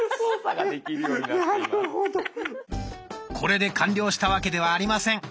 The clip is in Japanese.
これで完了したわけではありません。